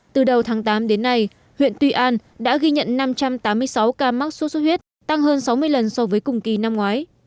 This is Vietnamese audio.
từ đầu tháng tám đến nay huyện tuy an đã ghi nhận năm trăm tám mươi sáu ca mắc sốt xuất huyết tăng hơn sáu mươi lần so với cùng kỳ năm ngoái